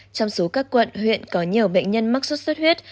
trong số các quận huyện có nhiều bệnh nhân mắc sốt xuất huyết